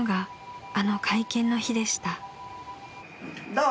どう？